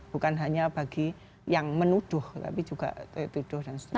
bukan hanya bagi yang menuduh tapi juga tertuduh dan seterusnya